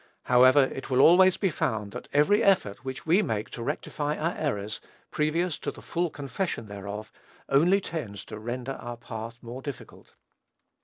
However, it will always be found that every effort which we make to rectify our errors, previous to the full confession thereof, only tends to render our path more difficult.